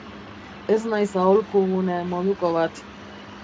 Ez naiz aholku-gune moduko bat.